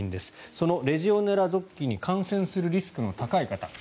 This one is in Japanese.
そのレジオネラ属菌に感染するリスクの高い方。